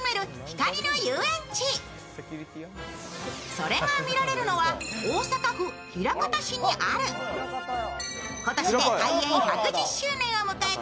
それが見られるのは大阪府枚方市にある今年で開園１１０周年を迎えた